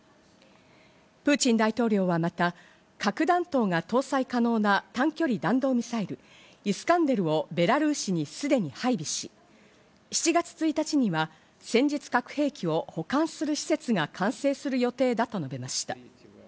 プーチン大統領はまた、核弾頭が搭載可能な短距離弾道ミサイル、イスカンデルをベラルーシにすでに配備し、７月１日には戦術核兵器を保管する施設が完成する予定だと述べました。